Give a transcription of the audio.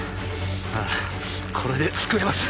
ああこれで救えます